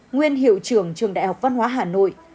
nguyên hiệu trưởng trường đại học văn hóa hà nội